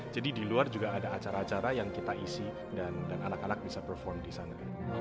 di luar juga ada acara acara yang kita isi dan anak anak bisa perform di sana